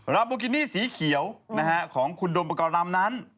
ลามโบกินี่สีเขียวของคุณโดนไปก่อนล่ำนั้น